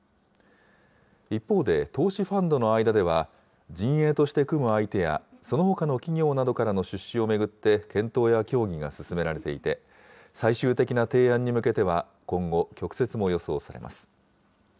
一方で、投資ファンドの間では、陣営として組む相手や、そのほかの企業などからの出資を巡って検討や協議が進められていて、最終的な提案に向けては、今後、曲折も予想されます。